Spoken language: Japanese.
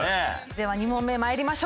では２問目参りましょう。